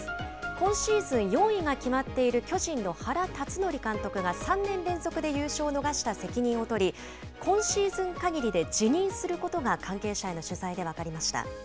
今シーズン４位が決まっている巨人の原辰徳監督が３年連続で優勝を逃した責任を取り、今シーズン限りで辞任することが関係者への取材で分かりました。